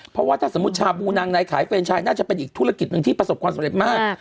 เพราะว่าถ้าสมมุติชาบูนางในขายเฟรนชายน่าจะเป็นอีกธุรกิจหนึ่งที่ประสบความสำเร็จมาก